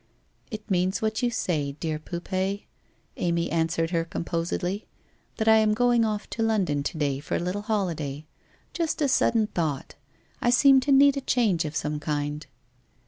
' It means what you say, dear Poupee,' Amy answered her composedly. ' That I am going off to London to day for a little holiday. Just a sudden thought! I seemed to need a change of some kind.'